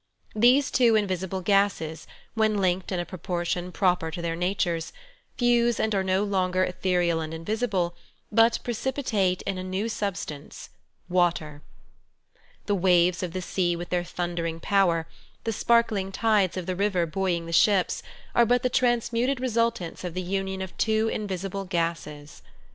These two invisible gases, when linked in a propor tion proper to their natures, fuse and are no longer ethereal and invisible, but precipitate in a new sub stance — water. The waves of the sea with their thundering power, the sparkling tides of the river buoying the ships, are but the transmuted resultants of the union of two invisible gases.